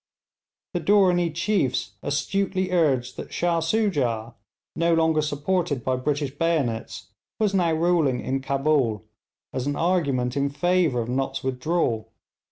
The Dooranee chiefs astutely urged that Shah Soojah, no longer supported by British bayonets, was now ruling in Cabul, as an argument in favour of Nott's withdrawal.